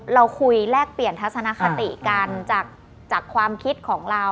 เราคุยแลกเปลี่ยนทัศนคติกันจากความคิดของเรา